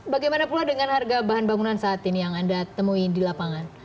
bagaimana pula dengan harga bahan bangunan saat ini yang anda temui di lapangan